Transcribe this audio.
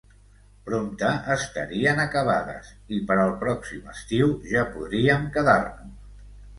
Prompte estarien acabades i, per al pròxim estiu, ja podríem quedar-nos.